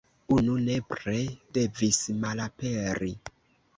Unu nepre devis malaperi."".